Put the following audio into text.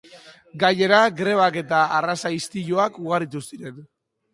Gainera, grebak eta arraza-istiluak ugaritu ziren.